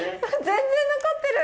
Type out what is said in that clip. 全然残ってる。